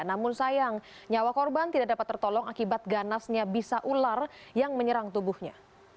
namun sayang nyawa korban tidak dapat tertolong akibat ganasnya bisa ular yang menyerang tubuhnya